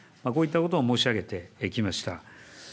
こういったことを申し上げてきました。